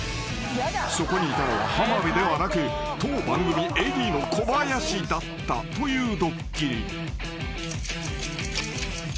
［そこにいたのは浜辺ではなく当番組ＡＤの小林だったというドッキリ］